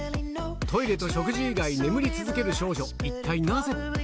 トイレと食事以外眠り続ける少女一体なぜ？